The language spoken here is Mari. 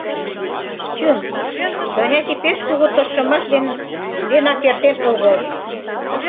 Чын, занятий пеш кугу тыршымаш денак эртен огыл.